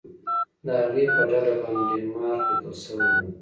د هغې په ډډه باندې ډنمارک لیکل شوي وو.